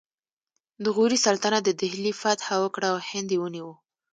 د غوري سلطنت د دهلي فتحه وکړه او هند یې ونیو